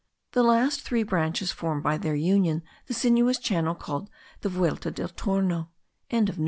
The last three branches form by their union the sinuous channel called the Vuelta del Torno.)